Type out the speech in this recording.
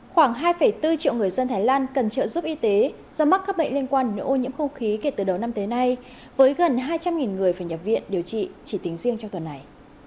khoảng hai bốn triệu người dân thái lan cần trợ giúp y tế do mắc các bệnh liên quan đến ô nhiễm không khí kể từ đầu năm tới nay với gần hai trăm linh người phải nhập viện điều trị chỉ tính riêng trong tuần này